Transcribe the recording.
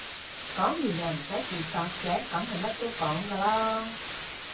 講完又唔使負責嘅梗係乜都講㗎啦